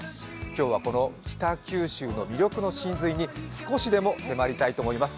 今日はこの北九州の魅力の神髄に少しでも迫りたいと思います。